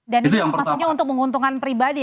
dan itu maksudnya untuk menguntungkan pribadi